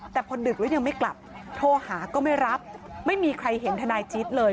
แต่พอดึกแล้วยังไม่กลับโทรหาก็ไม่รับไม่มีใครเห็นทนายจิ๊ดเลย